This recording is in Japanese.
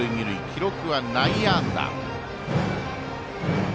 記録は内野安打。